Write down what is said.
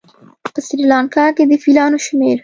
په سریلانکا کې د فیلانو شمېر